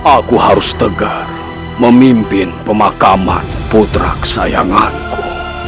aku harus tegar memimpin pemakaman putra kesayanganku